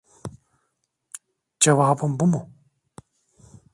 Cevabın bu mu?